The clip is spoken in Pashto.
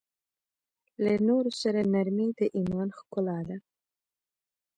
له نورو سره نرمي د ایمان ښکلا ده.